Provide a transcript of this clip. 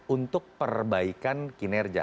untuk perbaikan kinerja